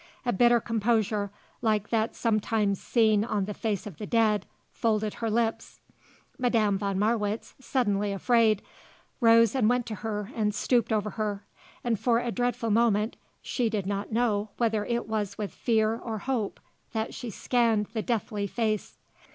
A bitter composure, like that sometimes seen on the face of the dead, folded her lips. Madame von Marwitz, suddenly afraid, rose and went to her and stooped over her. And, for a dreadful moment, she did not know whether it was with fear or hope that she scanned the deathly face.